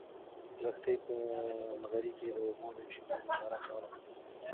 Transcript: لښتې په نغري کې د اوبو د اېشېدو ننداره کوله.